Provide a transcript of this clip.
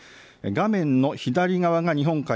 画面の左側が日本海